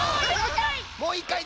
もういっかい！